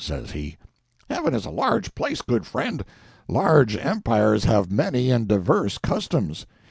says he. "Heaven is a large place, good friend. Large empires have many and diverse customs.